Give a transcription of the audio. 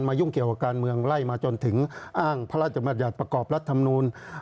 ยุ่งเกี่ยวกับการเมืองไล่มาจนถึงอ้างพระราชมัญญัติประกอบรัฐธรรมนูล